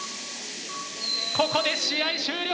ここで試合終了！